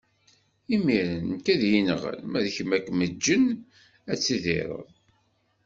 Imiren nekk ad yi-nɣen, ma d kemm ad kem-ǧǧen, ad tidireḍ.